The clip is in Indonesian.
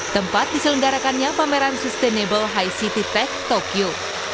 tempat diselenggarakannya pameran sustainable high city tech tokyo